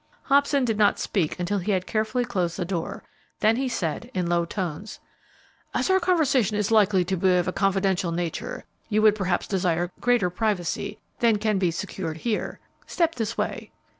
Hobson did not speak until he had carefully closed the door, then he said, in low tones, "As our conversation is likely to be of a confidential nature, you would perhaps desire greater privacy than can be secured here. Step this way."